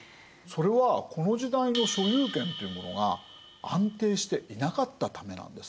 それはこの時代の所有権っていうものが安定していなかったためなんです。